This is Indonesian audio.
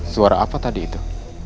suara apa tadi itu